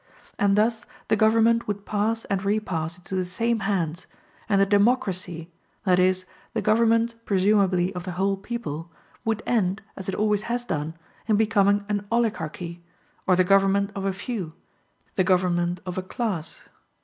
And thus the government would pass and repass into the same hands, and the democracy, that is, the government presumably of the whole people, would end, as it always has done, in becoming an oligarchy, or the government of a few, the government of a class.